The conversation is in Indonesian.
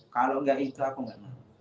kalau gak itu aku gak mau